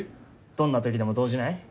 どんな時でも動じない？